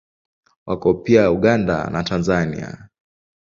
Wako pia Uganda na Tanzania.